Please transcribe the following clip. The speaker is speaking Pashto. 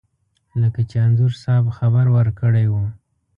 لکه چې انځور صاحب خبر ورکړی و.